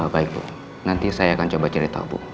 baik bu nanti saya akan coba cerita bu